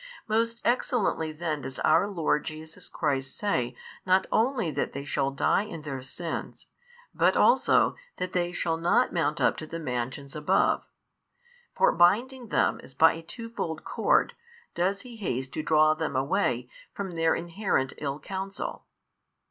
Most excellently then does our Lord Jesus Christ say not only that they shall die in their sins, but also that they shall not mount up to the mansions above: for binding them as by a twofold cord, does He haste to draw them away from their inherent ill counsel.